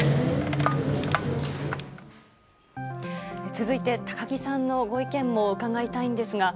続いて、高木さんのご意見も伺いたいんですが。